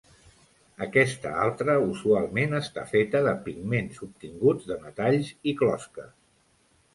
Aquesta altra usualment està feta de pigments obtinguts de metalls i closques.